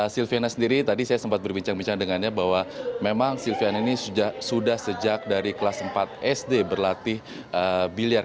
silviana sendiri tadi saya sempat berbincang bincang dengannya bahwa memang silviana ini sudah sejak dari kelas empat sd berlatih biliar